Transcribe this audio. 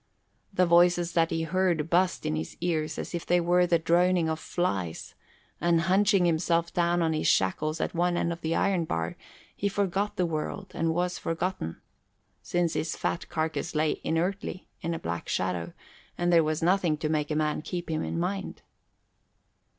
The voices that he heard buzzed in his ears as if they were the droning of flies, and hunching himself down in his shackles at one end of the iron bar, he forgot the world and was forgotten, since his fat carcase lay inertly in a black shadow and there was nothing to make a man keep him in mind.